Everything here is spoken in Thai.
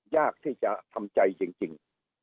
ยากที่จะทำใจจริง